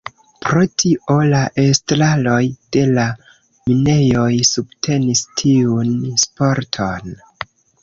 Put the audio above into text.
Pro tio, la estraroj de la minejoj subtenis tiun sporton.